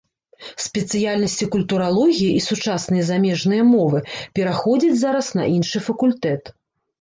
Спецыяльнасці культуралогія і сучасныя замежныя мовы пераходзяць зараз на іншы факультэт.